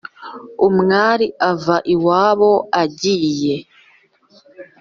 Umwali ava iwabo ayiyeee